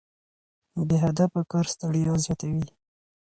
بې هدفه کار ستړیا زیاتوي.